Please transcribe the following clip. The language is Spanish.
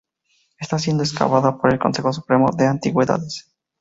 Está siendo excavada por el Consejo Supremo de Antigüedades.